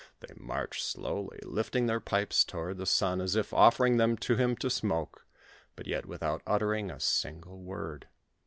They marched slowly, lifting their pipes toward the sun, as if offering them to him to smoke, but yet without uttering a single word.